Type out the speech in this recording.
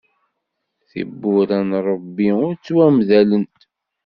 Tibbura n Ṛebbi ur ttwamdalent.